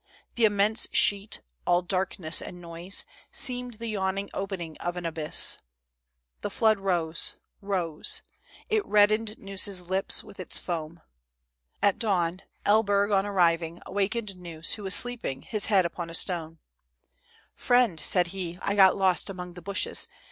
The immense sheet, all darkness and noise, seemed the yawning opening of an abyss. The flood rose, rose ; it reddened Gneuss' lips with its foam. At dawn, Elberg on arriving awakened Gneuss, who was sleeping, his head upon a stone. THE soldiers' DREAMS. 283 " Friend," said he, " I got lost among the bushes.